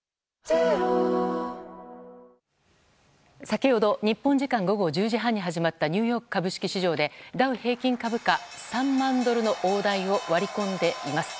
先ほど日本時間午後１０時半に始まったニューヨーク株式市場でダウ平均株価３万ドルの大台を割り込んでいます。